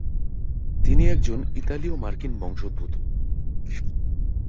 তিনি একজন ইতালীয় মার্কিন বংশোদ্ভূত।